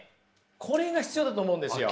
これが必要だと思うんですよ。